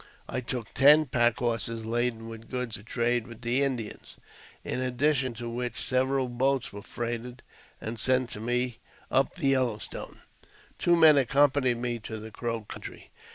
I took ten pack horses laden with goods to trade with the Indians, in addition to which several boats were freighted and sent to me up the Yellow Stone. Two men accompanied me to the Crow country.